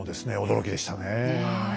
驚きでしたね。